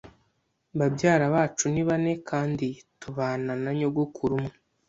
babyara bacu ni bane kandi tubana na nyogokuru umwe.